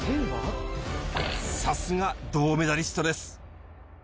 さすが銅メダリストです。